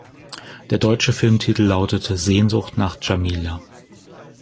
Der deutsche Filmtitel lautete "Sehnsucht nach Djamila".